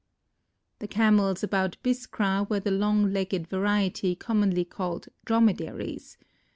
The Camels about Biskra were the long legged variety commonly called Dromedaries.